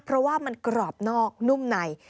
เพราะว่ามันกรอบนอกนุ่มใน